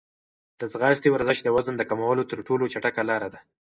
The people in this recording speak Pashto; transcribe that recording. د ځغاستې ورزش د وزن د کمولو تر ټولو چټکه لاره ده.